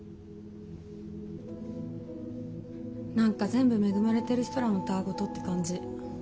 何か全部恵まれてる人らのたわ言って感じ。